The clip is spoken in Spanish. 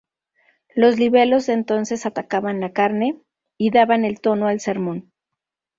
Los libelos de entonces atacaban la carne, y daban el tono al sermón.